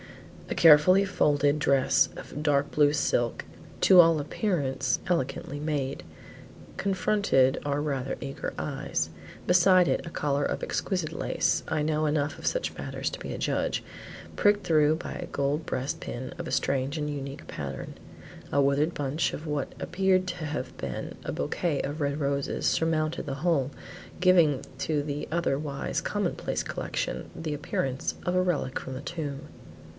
A carefully folded dress of dark blue silk, to all appearance elegantly made, confronted our rather eager eyes. Beside it, a collar of exquisite lace I know enough of such matters to be a judge pricked through by a gold breast pin of a strange and unique pattern. A withered bunch of what appeared to have been a bouquet of red roses, surmounted the whole, giving to the otherwise commonplace collection the appearance of a relic from the tomb.